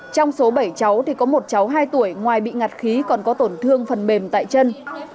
trong số bảy cháu thì có một cháu hai tuổi ngoài bị ngạt khí còn có tổn thương phần bềm tại chân